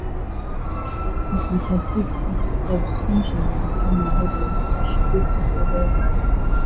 It subsequently became a haven for shipwreck survivors.